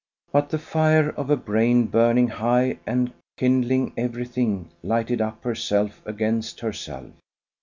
But the fire of a brain burning high and kindling everything lighted up herself against herself.